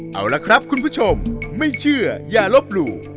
เอาล่ะครับคุณผู้ชมไม่เชื่ออย่าลบหลู่